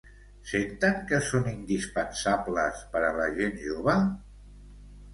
Senten que són indispensables per a la gent jove?